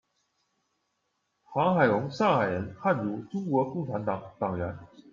唐海龙，上海人，汉族，中国共产党党员。